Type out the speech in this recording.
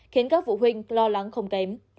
khiến các phụ huynh lo lắng không kém